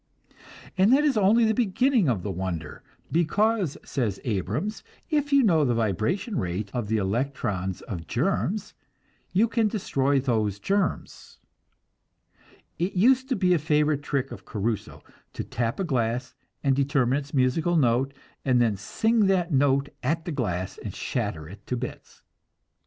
And that is only the beginning of the wonder; because, says Abrams, if you know the vibration rate of the electrons of germs, you can destroy those germs. It used to be a favorite trick of Caruso to tap a glass and determine its musical note, and then sing that note at the glass and shatter it to bits.